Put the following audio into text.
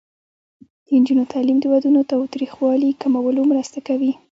د نجونو تعلیم د ودونو تاوتریخوالي کمولو مرسته کوي.